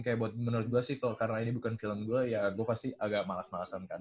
kayak buat menurut gue sih toh karena ini bukan film gue ya gue pasti agak malas malasan kan